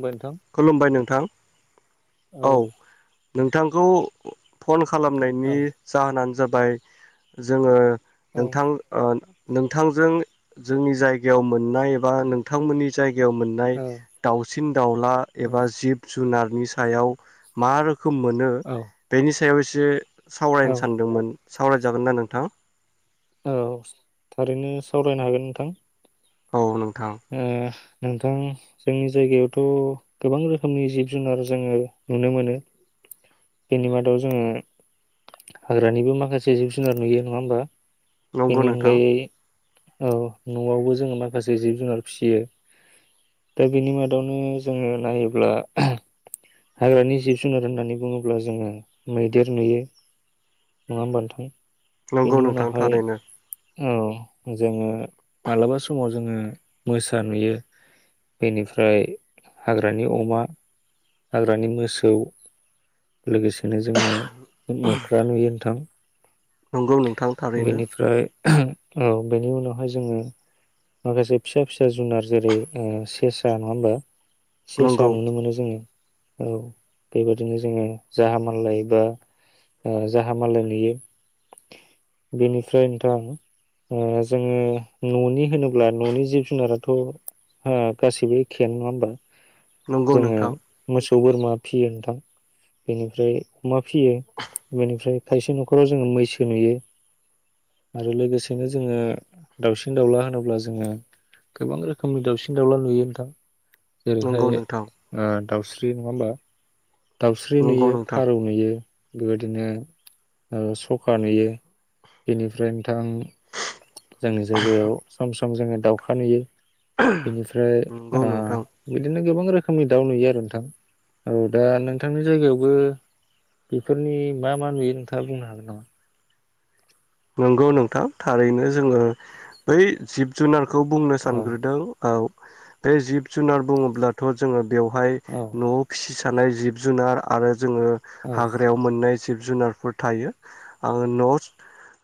बुंबाय नोंथां खुलुमबाय नोंथां औ नोंथां खौ फं औ खालामनायनि जाहोनानो जाबाय ओमफाय जोङो औ नोंथां ओ नोंथांजों जोंनि जायगायाव मोननाय एबा नोंथांमोननि जायगा जायगायाव मोननाय दाउसिन दाउला औ एबा जिब जुनारनि सायाव मा रोखोम खौ मोनो औ बेनि सायाव एसे औ सावरायनो सानदोंमोन। सावरायजागोन ना नोंथां? औ थारैनो सावरायनो हागोन नोंथां। औ नं उम नोंथां जोंनि जायगायावथ गोबां रोखोमनि जिब जुनार जोङो नुनो मोनो बेनि मादाव जोङो हाग्रानिबो माखासे जिब जुनार नुयो नङा होमबा? नंगौ बिनि नोंथां अनगायै औ नआवबो जोंङो माखासे जिब जुनार फिसियो दा बेनि मादावनो जोंङो नायोब्ला हाग्रानि जिब जुनार होननानै बुंङोब्ला जोंङो मैदेर नुयो। नंङा होमबा नोंथां? नंगौ बेनि नोंथां उनावहाय थारैनो। औ जोंङो मालाबा समाव जोंङो मोसा नुयो बेनिफ्राय हाग्रानि अमा हाग्रानि मोसौ लोगोसेनो जोंङो मोख्रा नुयो। नोंथां नंगौ नोंथां थारैनो बेनिफ्राय औ बेनि उनावहाय जोङो माखासे फिसा फिसा जुनार जेरै सेसा नंङा होमबा? सेसा नंगौ नुनो मोनो जोंङो। औ बेबादिनो जोङो जाहा माललाय बा जाहा माललाय नुयो। बेनिफ्राय नोंथां जोङो ननि होनोब्ला न'नि जिब जुनाराथ गासैबो एखे आनो नंङा होमबा? नंगौ जोंङो नोंथां मोसौ बोरमा फिसियो नोंथां बेनिफ्राय अमा फिसियो बेनिफ्राय खायसे नखराव जोंङो मैसो नुयो आरो लोगोसेनो जोङो दाउसिन दाउला होनोब्ला जोंङो गोबां रोखोमनि दाउसिन दाउला नुयो नोंथां। जेरैहाय नंगौ नोंथां ओ दाउस्रि नंङा होमबा? दाउस्रि नंगौ नुयो नोंथां फारौ नुयो। बेबायदिनो सखा नुयो बेनिफ्राय नोंथां जोंनि जायगायाव सम सम जोंङो दावउखा नुयो। बेनिफ्राय नंगौ ओ नोंथां बिदिनो गोबां रोखोमनि दाउ नुयो आरो नोंथां ओ दा नोंथांनि जायगायावबो बेफोरनि मा मा नुयो नोंथाङा बुंनो हागोन नामा? नंगौ नोंथां थारैनो जोंङो बै जिब जुनार खौ बुंनो औ सानग्रोदों औ बे जिब जुनार बुङोब्लाथ' जोंङो बेवहाय औ न'आव फिसिस थानाय जिब जुनार आरो जोंङो औ हाग्रायाव मोननाय जिब जुनारफोर थायो आंङो न'स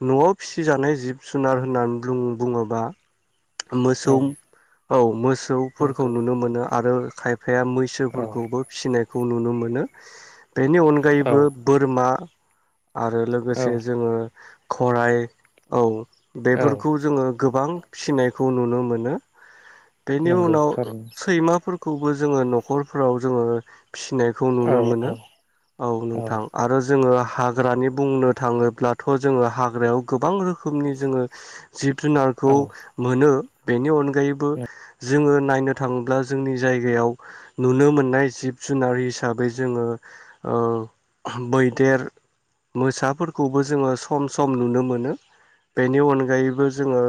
न'आव फिसिजानाय जिब जुनार होननानै बुं बुंङोबा मोसौ औ औ मोस सौ फोरखौ नंगौ नुनो मोनो आरो खायफ फाया मैसो औ फोरखौबो फिसिनाय खौ नुनो मोनो बेनि औ अनगायैबो बोरमा आरो औ लोगोसे जोंङो घराइ औ औ बेफोरखौ जोंङो गोबां फिसिनाय खौ नुनो मोनो बेनि नंगौ उनाव थारैनो सैमाफोर खौबो जोंङो न'खरफोराव जोंङो भिसिनायखौ औ नुनो मोनो औ औ नोंथां आरो जोंङो हाग्रानि बुंनो थांङोब्लाथ' जोंङो हाग्रायाव गोबां रोखोमनि जोंङो जिब जुनारखौ औ नो बेनि अनगायैबो जोङो नायनो थाङोब्ला जोंनि जायगायाव नुनो मोननाय जिब जुनार हिसाबै जोंङो ओ मैदेर मोसाफोरखौबो जोंङो सम सम नुनो मोनो बेनि अनगायैबो जोंङो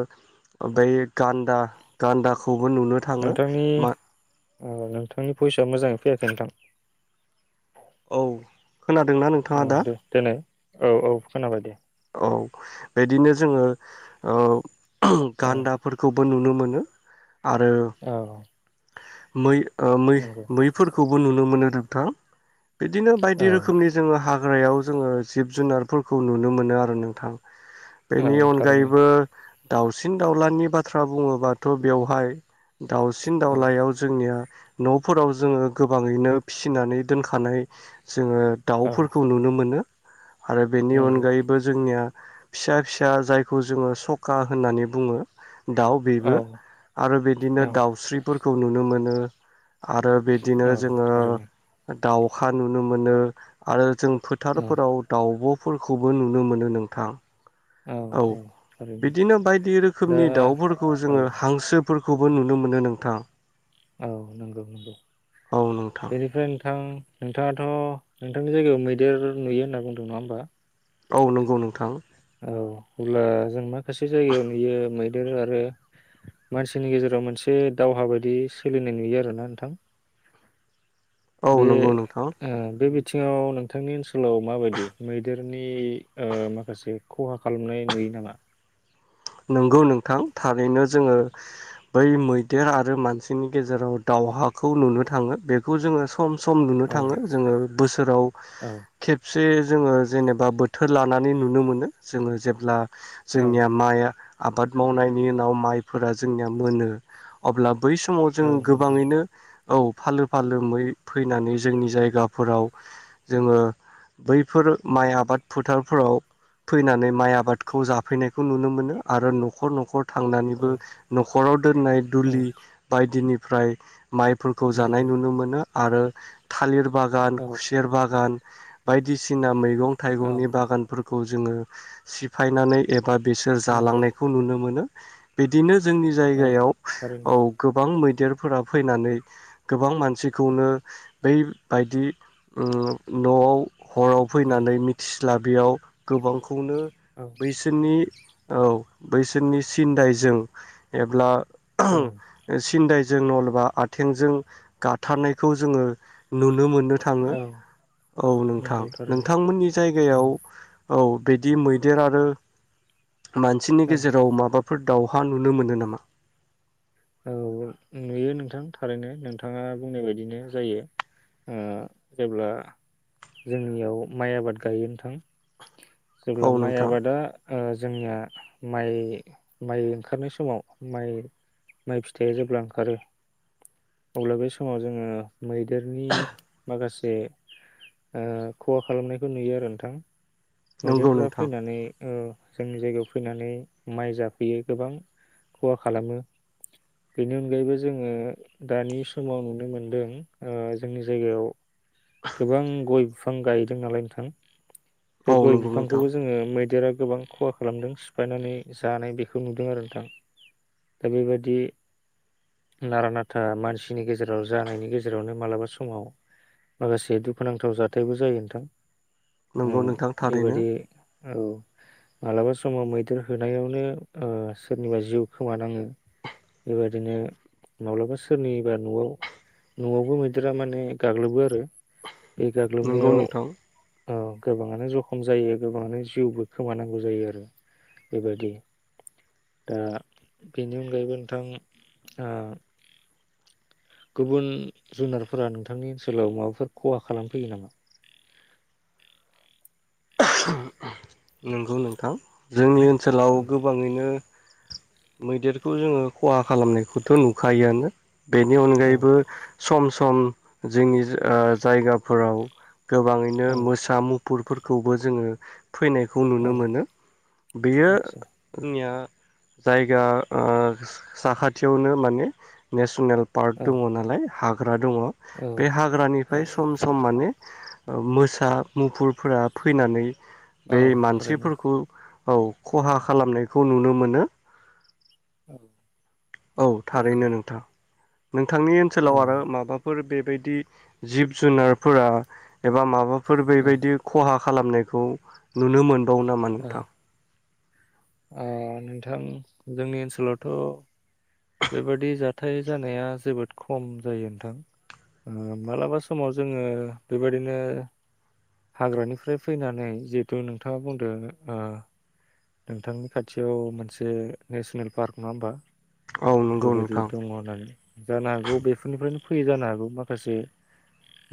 ओमफ्राय गान्दा गान्दाखौ बो नुनो थांङो मा थांनि भयिसा मोजांङै फैयाखै नोंथां औ खोनादोंना नोंथाङा औ दा दे देनाय औ औ खोनाबाय दे औ बिदिनो जोंङो औ औ गान्दाफोरखौ बो नुनो मोनो आरो औ मै ओ नंगौ मै-मैफोरखौ बो नुनो मोनो नोंथां बिदिनो बायदि औ रोखोमनि जोंङो हा ग्रायाव जोंङो जिब जुनारफोरखौ नु नो मोनो आरो नोंथां। औ बेनि थारैनो अनगायैबो दाउसिन दाउलानि बाथ्रा बुङोबाथ' बेवहाय दाउसिन औ दाउलायाव जोंनिया न'फोराव जोंङो गोबाङैनो फिसिनानै दोनखानाय जोंङो औ दाउफोरखौ नुनो मोनो। आरो बेनि अन नंगौ गायैबो जोंनिया फिसा-फिसा जायखौ जोंङो सखा होननानै बुङो दाउ औ बेबो आरो बिदिनो औ दाउस्रिफोर खौ नुनो मोनो। आरो बिदिनो औ जोंङो थारैनो दाउखा नुनो मोनो आरो जों औ फोथारफोराव दाउब' खौबो नुनो मोनो नोंथां। औ बिदिनो बायदि दा रोखोमनि दाउफोरखौ औ जोंङो हांसो फोरखौबो नुनो मोनो नोंथां। औ नंगौ नंगौ औ नोंथां बेनिफ्राय नोंथां नोंथाङाथ' नोंथांनि जायगायाव मैदेर नुयो होनना बुंदों नङा होमबा औ नंगौ नोंथां औ अब्ला जों माखासे जायगायाव नुयो मैदेर आरो मानसिनि गेजेराव मोनसे दावहा बायदि सोलिनाय नुयो आरोना नोंथां। औ बे नंगौ नोंथां ओ बे बिथिङाव नोंथांनि ओनसोलाव माबायदि मैदेरनि ओ माखासे खहा खालामनाय नुयो नामा। नंगौ नोंथां थारैनो जोंङो बै मैदेर आरो मानसिनि गेजेराव दावहाखौ नुनो थांङो बेखौ जोंङो सम सम नुनो औ थांङो जोंङो बोसोराव औ खेब से जोंङो जेनेबा बोथोर लानानै नुनो मोनो जोंङो जेब्ला औ जोंनिया माइआ आबाद मावनायनि उनाव माइफोरा जोंनिया मोनो अब्ला बै समाव जों औ नंगौ गोबाङैनो औ फालो फालो मै फैनानै जोंनि जायगाफोराव जोङो बैफोर माइ आबाद फोथारफोराव फैनानै माइ आबादखौ जाफैनायखौ नुनो मोनो। आरो न'खर न'खर औ थांनानैबो न' हरद दोननाय औ दुलि बायदि दिनिफ्राय माइफोरखौ जानाय नंगौ नुनो मोनो आरो थालिर बागान औ खुसेर बागान बायदिसिना मैगं मैगं औ थाइगंनि बागानफोरखौ खौ जोङो सिफायनानै एबा बिसोर नंगौ जालांनायखौ नुनो मोनो। बिदिनो जोंनि औ जायगायाव थारैनो औ गोबां मैं मैदेरफोरा फैनानै गोबां मानसिखौनो बैबायदि न'आव हराव औ फैनानै मिथि स्लाबैयाव गोबां खुंनो औ बैसोरनि औ बैसोरनि सिनन्दायजों एब्ला औ सिन्दाय जों नलबा आथिंजों गाथारनायखौ जोङो नुनो बो मोननो थाङो औ औ नोंथां नंगौ थारैनो नोंथांमोननि औ जायगायाव औ बिदि मैदेर आरो मानसिनि औ गेजेराव माबा फोर दावहा नुनो मोन्दों नामा? औ नुयो नोंथां थारैनो नोंथाङा बुंनाय बायदिनो जायो ओ जेब्ला जोंनियाव माइ आबाद गायो नोंथां। औ जेब्ला माइ नोंथां आबादा ओह जोंनिया माइ माइ ओंखारनाय समाव माइ माइ फिथाइया जेब्ला ओंखारो। अब्ला बे समाव जोङो मैदेरनि माखासे आ खहा खालामनायखौ नुयो आरो नोंथां। नंगौ मैदेरफोरा नोंथां फैनानै ओह जोंनि जायगायाव फैनानै माइ जाफैयो गोबां खहा खालामो बेनि अनगायैबो जोङो दानि समाव नुनो मोनदों आ जोंनि जायगायाव गोबां गय बिफां गायदों नालाय नोंथां बे औ गय नंगौ नोंथां बिफांखौबो जोङो मैदेरा गोबां खहा खालामदों सिफायनानै जानाय बेखौ नुदों आरो नोंथां दा बेबादि नारा नाथा मानसिनि गेजेराव जानायनि गेजेरावनो मालाबा समाव माखासे दुखुनांथाव जाथायबो जायो नोंथां नंगौ उम नोंथां थारैनो बेबायदि औ माब्लाबा समाव मैदेर होनायावनो सोरनिबा जिउ खोमानाङो बेबादिनो माब्लाबा सोरनिबा न'आव न'आवबो मैदेरा माने गाग्लोबो आरो बे नंगौ नोंथां गाग्लोबनायाव गोबाङानो जखम जायो गोबाङानो जिउबो खोमानांगौ जायो आरो बेबायाददि दा बेनि अनगायैबो नोंथां ओ गुबुन जुनारफोरा नोंथांनि ओनसोलाव माबाफोर खहा खालामफैयो नामा नंगौ नोंथां जोंनि सोलाव औ गोबाङैनो मैदेरखौ जोङो खहा खालामनायखौथ' नुखायोआनो बेनि अनगायैबो सम सम जोंनि ओ जायगाफोराव गोबाङैनो औ मोसा मु पुरफोरखौबो जोङो फैनायखौ औ नुनो मोनो बेयो आदसा जोंनिया जायगा ओ साखाथियावनो माने नेसनेल पार्ट औ दङ नालाय हाग हाग दङ औ बे औ हाग्रानिफ्राय औ सम सम माने मोसा मुफुरफोरा फैनानै औ बे थारैनो मानसिफोरखौ औ खहा खालामनायखौ नुनो मोनो [inaudible] औ नंगौ थारैनो नोंथां नोंथांनि औ ओनसोलाव आरो माबाफोर बे बिदि जिब जुनारफोरा एबा माबा फोर औ बेबायदि खहा खालामनायखौ नुनो मोन वयो नामा नोंथां अ नोंथां जोंनि ओनसोलावथ' बेबादि जाथाय जानाया जोबोद खम जायो नोंथां ओ मालाबा समाव जोङो बेबायाददिनो हाग्रानिफ्राय फैनानै जिहेथु नोंथाङा बुंदों ओ नोंथांनि खाथियाव मोनसे नेसनेल पार्क नङा होमबा औ नंगौ बेबायदि नोंथां दङ नानै जानो हागौ बेफोरनिफ्रायनो फैयो जानो हागौ माखासे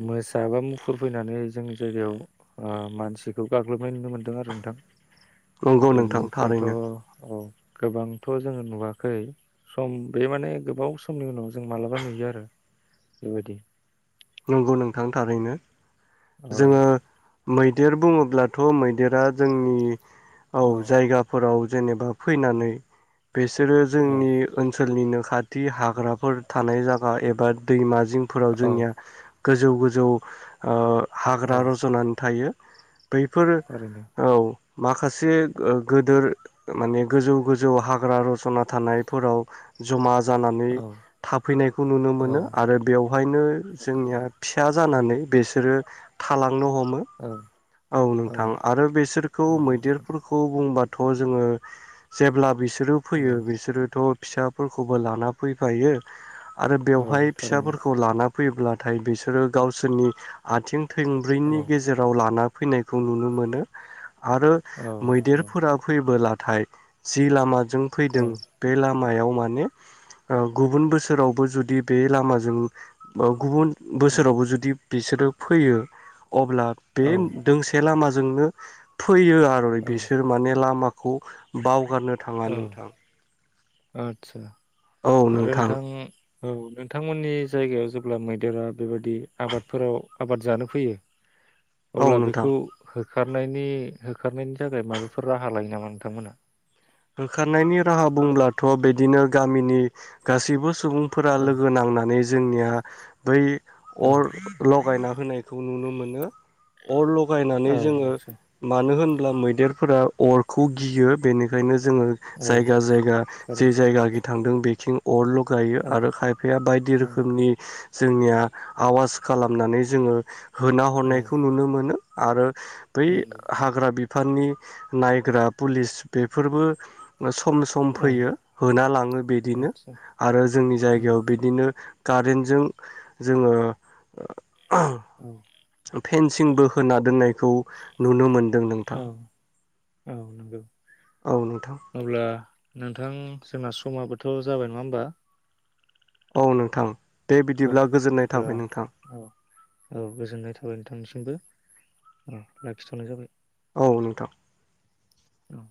मोसा बा मुफुर फैनानै जों जायगायाव मानसिखौ गाग्लोबनाय नुनो मोनदों आरो नोंथां। नंगौ नोंथां बेनिफ्रायथ' थारैनो औ। गोबांथ' जोङो नुवाखै। सम बे माने गोबाव समनि उनाव जों मालाबा नुयो आरो बेबायदि नंगौ नोंथां थारैनो औ जोङो मैदेर बुङोब्लाथ' मैदेरा जोंनि औ जायगाफोराव जेनेबा फैनानै बेसोरो औ जोंनि ओनसोल ओनसोलनिनो खाथि हाग्राफोर थानाय जायगा एबा दैमा जिंफोराव जोंनिया औ गोजौ गोजौ ओ। औ हाग्रा रज'नानै थायो। बैफोरो थारैनो औ। माखासे ओ गोदोर माने गोजौ गोजौ हाग्रा रजना थानायफोराव जमा जानानै औ थाफैनायखौ नुनो औ मोनो आरो बेवहायनो फि नंगौ [unintelligible] जानानै बिसोरो था नो हमो औ औ नोंथां आरो बेसोरखौ नंगौ नोंथां मैदेरफोरखौ बुंबा थ' जोङो जेब्ला बिसोर बिसोरो फैयो औ बिसोरोथ' फिसाफोरखौबो लाना फैफायो आरो औ बेवहाय थारैनो फिसाफोरखौ लाना फैयोब्लाथाय बिसोरो गावसोरनि आथिं थोंब्रैनि औ गेजेराव लाना फैनायखौ नुनो मोनो आरो औ औ मैदेरफोरा फैबोला नाथाइ जि लामा जों औ फैदों बे लामा लामायाव माने ओ गुबुन बोसोरावबो जुदि बे लामाजों बा गुबुन औ बोसोरावबो जुदि बिसोरो फैयो अब्ला बे औ दोंसे लामा जोंनो फैयो आरो औ बिसोर माने लामा खौ बाव [unintelligible] थाङा नोंथां आतसा औ आरो नोंथां नोंथां औ नोंथांमोननि जायगायाव जेब्ला मैदेरा बेबादि आबादफोराव आबाद जानो फैयो औ अब्ला नोंथां बेखौ हो होखारनायनि होखारनायनि थाखाय माबाफोर राहा लायो नामा नोंथांमोना होखारनायनि राहा बुंब्लाथ' बिदिनो गामिनि गासीसिबो सु सुबुंफोरा औ लोगो नांनानै जोंनिया बै आतसा अर लगायना होनायखौ नुनो मोनो लगायनानै औ जोङो आदसा मानो होन [unintelligible] मैदेरफोरा अरखौ गियो बेनिखायनो गायनो जोङो औ जायगा जायगा जि थारैनो जायगा गि थांदों बेखिं अर [unintelligible] गायो औ आरो खायफाया बायदि औ रोखोमनि जोंनिया आवाज खालामनानै जोङो होना औ हरनायखौ नुनो मोनो आरो बै नंगौ हाग्रा बि बिफाननि नायग्रा पुलिस बेफोरबो [unintelligible] सम सम औ फैयो होना लाङो बिदिनो आदसा आरो जोंनि औ जायगायाव बिदिनो कारेन्टजों जोङो औ [unintelligible] फेनसिंबो होना दोननायखौ नुनो मोनदों दों नोंथां औ औ नंगौ औ नोंथां। अब्ला नोंथां जोंना समाबोथ' जाबाय नङा होमबा? औ नोंथां। दे औ बिदिब्ला गोजोननाय अब्ला थाबाय नोंथां औ औ गोजोननाय थाबाय नोंथांनिसिमबो। औ लाखिथ'नाय जाबाय औ नोंथां औ